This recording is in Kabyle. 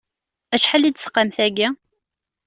Acḥal i d-tesqam tagi?